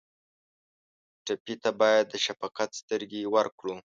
ټپي ته باید د شفقت سترګې ورکړو.